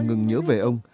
ngừng nhớ về ông